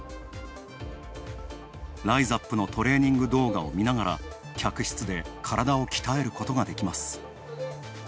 ライザップのトレーニング動画を見ながら客室で体を鍛えることができます。